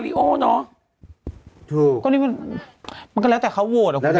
ถูกอย่างนี้มันมันก็แล้วแต่เขาโหวตเหรอครับคุณแม่